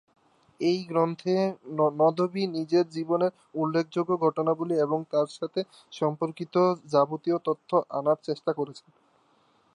এই গ্রন্থে নদভী নিজের জীবনের উল্লেখযোগ্য ঘটনাবলী এবং তার সাথে সম্পর্কিত যাবতীয় তথ্য আনার চেষ্টা করেছেন।